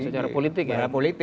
secara politik ya